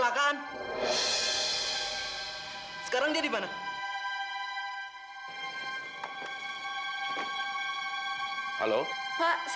ya udah kita bisa